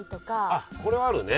あっこれはあるね。